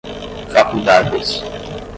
faculdades